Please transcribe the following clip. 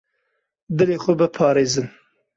Dilê xwe biparêzin.